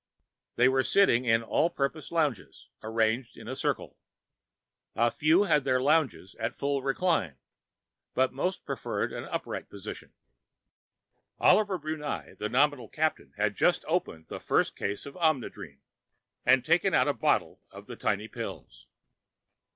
They were sitting in All Purpose Lounges, arranged in a circle. A few had their Lounges at full recline, but most preferred the upright position. Oliver Brunei, the nominal captain, had just opened the first case of Omnidrene, and taken out a bottle of the tiny pills.